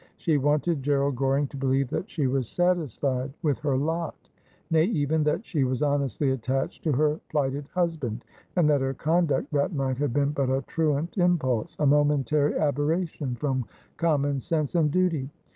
She wanted Gerald Goring to believe that she was satisfied with her lot — nay, even that she was honestly attached to her plighted hus band, and that her conduct that night had been but a truant 318 Asphodel. impulse, a momentary aberration from common sense and duty.